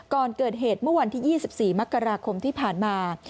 ก่อนเกิดเหตุเมื่อวันที่๒๔มกราคมที่ผ่านมา